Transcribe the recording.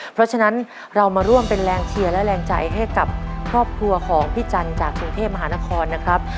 เพราะฉะนั้นเรามาร่วมเป็นแรงเชียร์และแรงใจให้กับครอบครัวของพี่จันทร์จากกรุงเทพมหานครนะครับ